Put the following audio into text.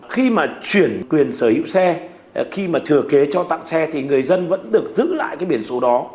khi mà chuyển quyền sở hữu xe khi mà thừa kế cho tặng xe thì người dân vẫn được giữ lại cái biển số đó